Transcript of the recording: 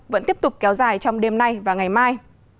vẫn tiếp tục kéo dài trong đêm nay và ngày mai